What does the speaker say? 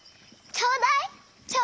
ちょうだい！